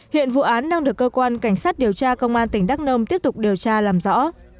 hiện vụ án đang được cơ quan cảnh sát điều tra công an tỉnh đắk nông tiếp tục điều tra làm rõ